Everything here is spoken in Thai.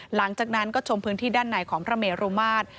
หลังจากนั้นก็ชมพื้นที่ด้านในของพระเมรุมาตร